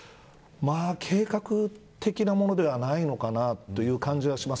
計画的なものではないのかなという感じがします。